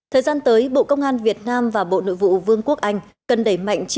thời gian tới bộ công an việt nam và bộ nội vụ vương quốc anh cần đẩy mạnh